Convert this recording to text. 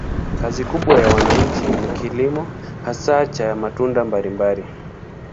Kazi kubwa ya wananchi ni kilimo, hasa cha matunda mbalimbali.